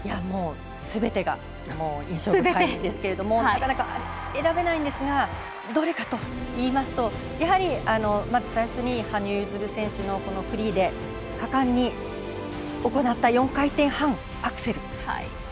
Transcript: もうすべてが印象深いですけれどもなかなか、選べないんですがどれかといいますとやはり、まず最初に羽生結弦選手のこのフリーで、果敢に行った４回転半アクセル。